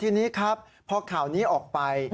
ทีนี้ครับพอข่าวนี้ออกไป